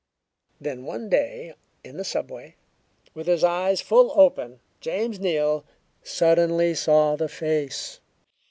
Then, one day in the subway, with his eyes full open, James Neal suddenly saw the face!